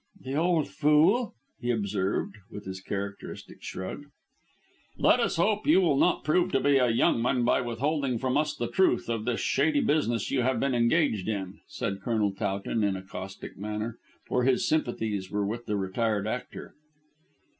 "The old fool," he observed with his characteristic shrug. "Let us hope you will not prove to be a young one by withholding from us the truth of this shady business you have been engaged in," said Colonel Towton in a caustic manner, for his sympathies were with the retired actor.